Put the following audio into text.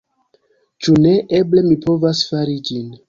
Ĉu ne? Eble mi povas fari ĝin.